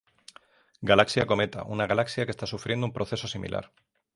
Galaxia Cometa, una galaxia que está sufriendo un proceso similar.